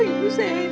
tunggu saya itu